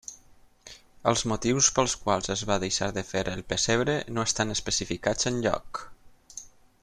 Els motius pels quals es va deixar de fer el pessebre no estan especificats enlloc.